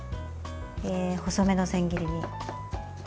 細めの千切りに。